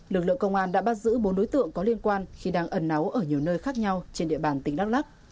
lực lượng công an đã bắt giữ bốn đối tượng có liên quan khi đang ẩn náu ở nhiều nơi khác nhau trên địa bàn tỉnh đắk lắc